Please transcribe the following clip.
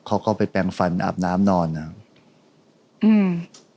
เขาก็ไปแปลงฟันอาบน้ำนอนนะครับอืม